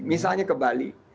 misalnya ke bali